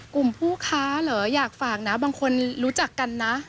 กลุ่มผู้ค้าเหรออยากฝากนะบางคนรู้จักกันนะ